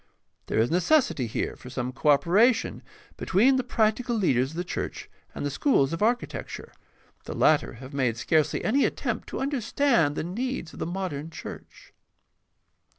There is necessity here for some co operation between the practical leaders of the church and the schools of architecture. 6o4 GUIDE TO STUDY OF CHRISTIAN RELIGION The latter have made scarcely any attempt to understand the needs of the modern church.